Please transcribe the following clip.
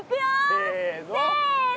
せの。